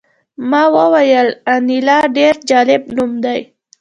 ما وویل انیلا ډېر جالب نوم دی